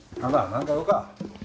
何か用か？